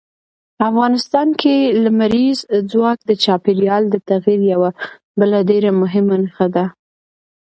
افغانستان کې لمریز ځواک د چاپېریال د تغیر یوه بله ډېره مهمه نښه ده.